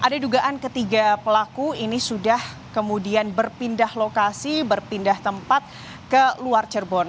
malah pematung yang membantu saya